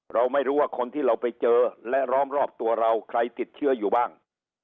เราไม่รู้ว่าคนที่เราไปเจอและล้อมรอบตัวเราใครติดเชื้ออยู่บ้าง